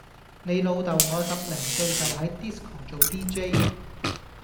你老豆我十零歲就喺 disco 做 dj